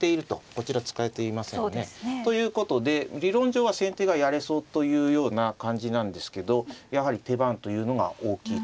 こちら使えていませんね。ということで理論上は先手がやれそうというような感じなんですけどやはり手番というのが大きいということですね。